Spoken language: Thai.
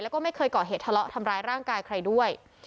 แล้วก็ไม่เคยก่อเหตุทะเลาะทำร้ายร่างกายใครด้วย